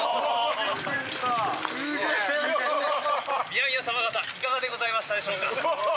皆々様方いかがでございましたでしょうか。